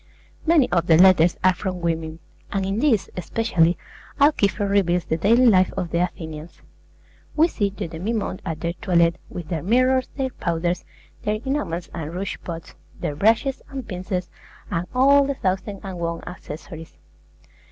Many of the letters are from women; and in these, especially, Alciphron reveals the daily life of the Athenians. We see the demimonde at their toilet, with their mirrors, their powders, their enamels and rouge pots, their brushes and pincers, and all the thousand and one accessories.